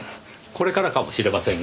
これからかもしれませんが。